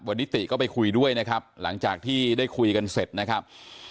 วันนี้ติก็ไปคุยด้วยนะครับหลังจากที่ได้คุยกันเสร็จนะครับ